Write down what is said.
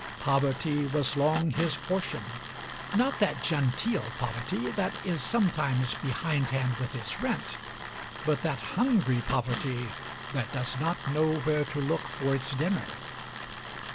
Poverty was long his portion; not that genteel poverty that is sometimes behindhand with its rent, but that hungry poverty that does not know where to look for its dinner.